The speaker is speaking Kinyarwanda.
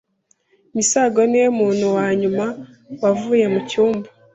Misago niwe muntu wa nyuma wavuye mucyumba.